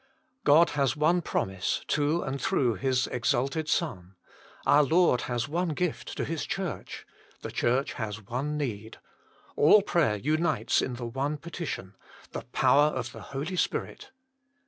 God has one promise to and through His exalted Son ; our Lord has one gift to His Church ; the Church has one need ; all prayer unites in the one petition the power of the Holy Spirit.